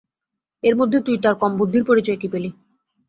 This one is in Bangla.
এরই মধ্যে তুই তার কম বুদ্ধির পরিচয় কী পেলি।